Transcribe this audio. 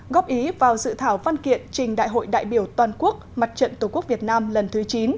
góp ý vào dự thảo văn kiện trình đại hội đại biểu toàn quốc mặt trận tổ quốc việt nam lần thứ chín